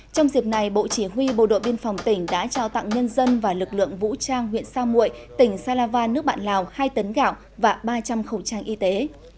trong dịp này bộ chỉ huy bộ đội biên phòng tỉnh đã trao tặng nhân dân và lực lượng vũ trang huyện sa mụi tỉnh sa la van nước bạn lào hai tấn gạo và ba trăm linh khẩu trang y tế